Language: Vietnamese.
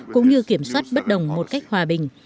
cũng như kiểm soát bất đồng quyền của các nước